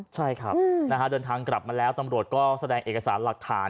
ใช่ครับเดินทางกลับมาแล้วตำรวจก็แสดงเอกสารหลักฐาน